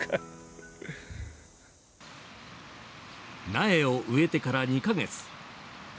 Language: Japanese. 苗を植えてから２カ月。